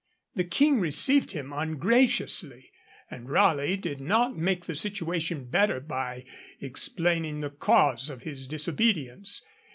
The King received him ungraciously, and Raleigh did not make the situation better by explaining the cause of his disobedience.